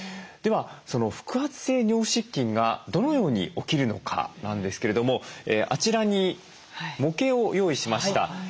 ではその腹圧性尿失禁がどのように起きるのかなんですけれどもあちらに模型を用意しました。